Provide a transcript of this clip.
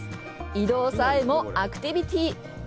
移動さえもアクティビティ！